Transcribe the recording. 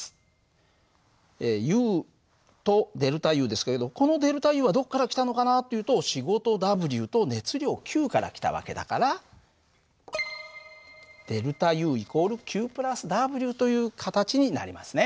ＵとΔＵですけれどこのΔＵはどこから来たのかなっていうと仕事Ｗと熱量Ｑから来た訳だからΔＵ＝Ｑ＋Ｗという形になりますね。